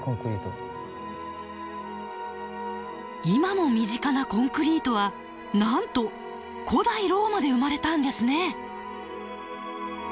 今も身近なコンクリートはなんと古代ローマで生まれたんですね！